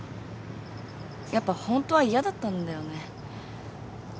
やっぱホントは嫌だったんだよね。